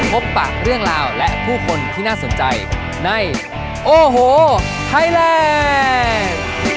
พบปะเรื่องราวและผู้คนที่น่าสนใจในโอ้โหไทยแลนด์